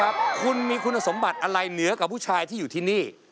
ครับคุณมีคุณสมบัติอะไรเหนือกับผู้ชายที่อยู่ที่นี่